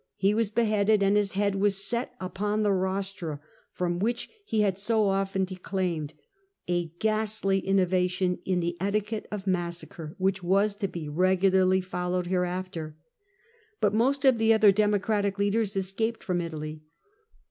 He was beheaded, and his head was set upon the rostra from which he had so often declaimed, a ghastly innovation in the etiquette of massacre which was to be regularly fol lowed hereafter. But most of the other Democratic leaders escaped from Italy.